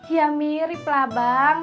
ya mirip lah bang